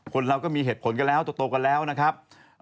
คนเราก็มีเหตุผลกันแล้วโตกันแล้วนะครับ